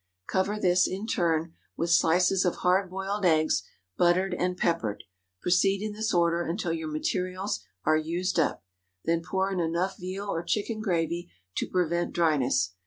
Cover this, in turn, with slices of hard boiled eggs, buttered and peppered. Proceed in this order until your materials are used up. Then pour in enough veal or chicken gravy to prevent dryness.